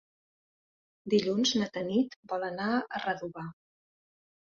Dilluns na Tanit vol anar a Redovà.